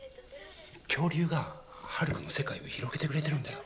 恐竜がハルカの世界を広げてくれてるんだよ。